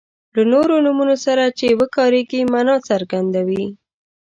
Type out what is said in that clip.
له نورو نومونو سره چې وکاریږي معنا څرګندوي.